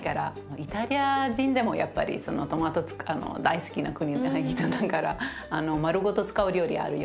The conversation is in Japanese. イタリア人でもやっぱりトマト大好きな国の人だからまるごと使う料理あるよ。